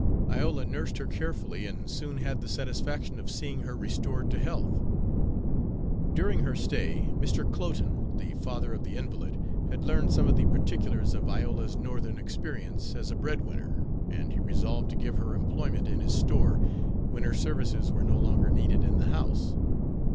Iola nursed her carefully, and soon had the satisfaction of seeing her restored to health. During her stay, Mr. Cloten, the father of the invalid, had learned some of the particulars of Iola's Northern experience as a bread winner, and he resolved to give her employment in his store when her services were no longer needed in the house.